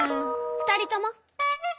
２人とも！